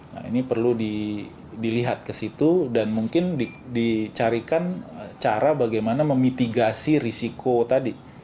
nah ini perlu dilihat ke situ dan mungkin dicarikan cara bagaimana memitigasi risiko tadi